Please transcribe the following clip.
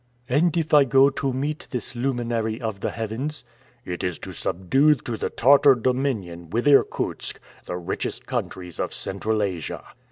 "And if I go to meet this luminary of the heavens?" "It is to subdue to the Tartar dominion, with Irkutsk, the richest countries of Central Asia."